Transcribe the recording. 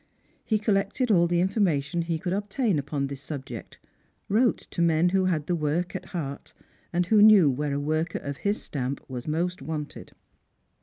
He collected all the information he could ob tain upon this subject; wrote to men who had the work at heart, and who knew where a worker of his stamp was most wanted.